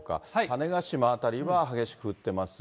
種子島辺りは激しく降ってます。